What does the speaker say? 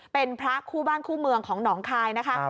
เป็นพระคู่บ้านคู่เมืองของหนองคายนะคะ